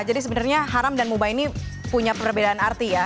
jadi sebenarnya haram dan mubah ini punya perbedaan arti ya